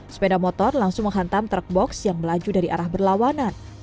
sepeda motor langsung menghantam truk box yang melaju dari arah berlawanan